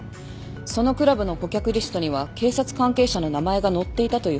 そのクラブの顧客リストには警察関係者の名前が載っていたという話を聞いたことがある。